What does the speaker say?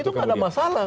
kalau itu gak ada masalah